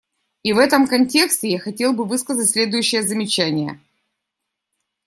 И в этом контексте я хотел бы высказать следующие замечания.